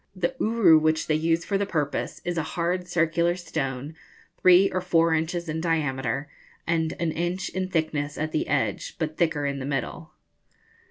The uru which they use for the purpose is a hard circular stone, three or four inches in diameter, and an inch in thickness at the edge, but thicker in the middle.